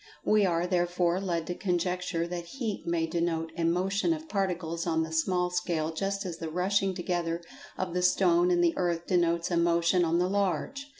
We are, therefore, led to conjecture that heat may denote a motion of particles on the small scale just as the rushing together of the stone and the earth denotes a motion on the large.